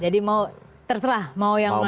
jadi mau terserah mau yang mana